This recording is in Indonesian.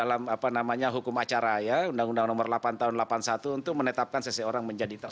apa namanya hukum acara ya undang undang nomor delapan tahun seribu sembilan ratus delapan puluh satu untuk menetapkan seseorang menjadi tersangka